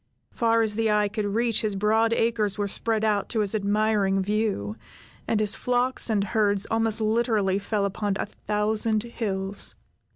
Far as the eye could reach his broad acres were spread out to his admiring view, and his flocks and herds almost literally fed upon a thousand hills.